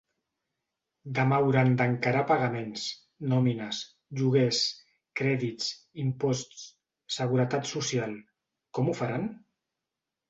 Demà hauran d’encarar pagaments, nòmines, lloguers, crèdits, imposts, seguretat social… Com ho faran?